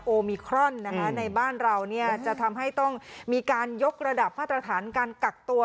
โอมิครอนในบ้านเราจะทำให้ต้องมีการยกระดับมาตรฐานการกักตัว